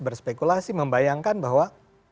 berspekulasi membayangkan bahwa